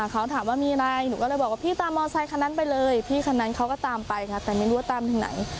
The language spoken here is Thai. เขาถามว่ามีอะไรหนูก็เลยบอกว่าพี่ตามมอเซคันนั้นไปเลยพี่คันนั้นเขาก็ตามไปค่ะแต่ไม่รู้ว่าตามถึงไหน